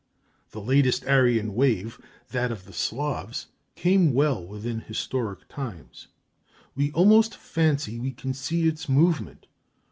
The latest Aryan wave, that of the Slavs, came well within historic times. We almost fancy we can see its movement.